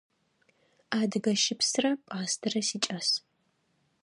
Адыгэ щыпсрэ пӏастэрэ сикӏас.